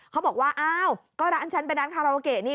เขาบอกว่าอ้าวก็ร้านฉันเป็นร้านคาราโอเกะนี่